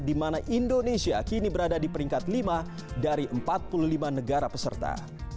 di mana indonesia kini berada di peringkat lima dari empat puluh lima negara peserta